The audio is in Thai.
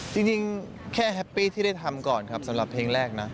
จริงแค่แฮปปี้ที่ได้ทำก่อนครับสำหรับเพลงแรกนะ